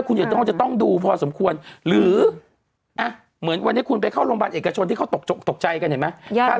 คุณจะต้องดูพอสมควรหรือเหมือนวันนี้คุณไปเข้าโรงพยาบาลเอกชนที่เขาตกตกใจกันเห็นไหม